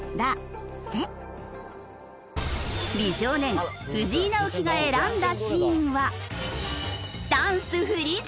美少年藤井直樹が選んだシーンは。